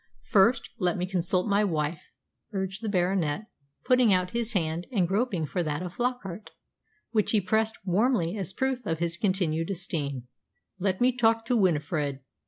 First let me consult my wife," urged the Baronet, putting out his hand and groping for that of Flockart, which he pressed warmly as proof of his continued esteem. "Let me talk to Winifred.